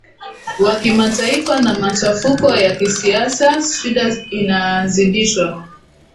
wa kimataifa na machafuko ya kisiasa Shida inazidishwa